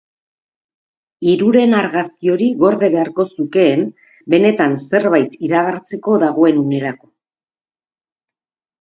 Hiruren argazki hori gorde beharko zukeen benetan zerbait iragartzeko dagoen unerako.